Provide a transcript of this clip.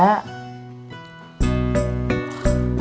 nah kita beli apa lagi